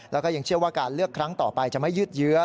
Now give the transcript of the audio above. แล้วก็ยังเชื่อว่าการเลือกครั้งต่อไปจะไม่ยืดเยื้อ